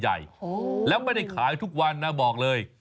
แล้วไม่ได้ขายทุกวันนะบอกเลย